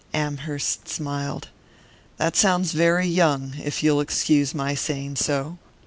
Amherst smiled. "That sounds very young if you'll excuse my saying so.